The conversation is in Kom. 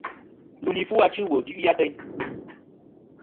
Ndu li fu achɨ wul du'i ateyn.